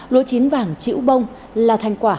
lúa chín vàng chữ bông là thành quả